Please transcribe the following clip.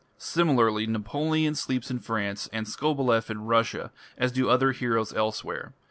Similarly Napoleon sleeps in France and Skobeleff in Russia, as do also other heroes elsewhere.